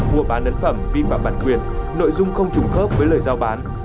mua bán ấn phẩm vi phạm bản quyền nội dung không trùng khớp với lời giao bán